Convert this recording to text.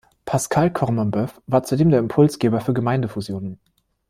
Pascal Corminboeuf war zudem der Impulsgeber für Gemeindefusionen.